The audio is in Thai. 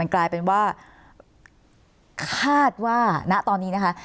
กลายเป็นว่าคาดว่าณตอนนี้นะคะ